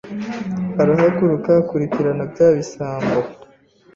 Arahaguruka akurikirana bya bisambo